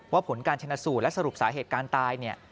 ว่าผลการเชนสูตรและสรุปสาเหตุการณ์ตาย